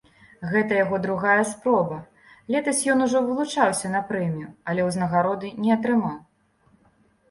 Гэта яго другая спроба, летась ён ужо вылучаўся на прэмію, але ўзнагароды не атрымаў.